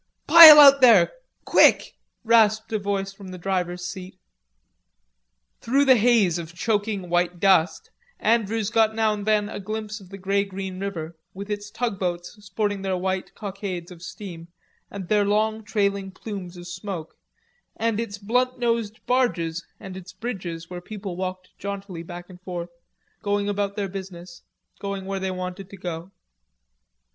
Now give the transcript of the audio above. "Pile out there.... Quick!" rasped a voice from the driver's seat. Through the haze of choking white dust, Andrews got now and then a glimpse of the grey green river, with its tugboats sporting their white cockades of steam and their long trailing plumes of smoke, and its blunt nosed barges and its bridges, where people walked jauntily back and forth, going about their business, going where they wanted to go.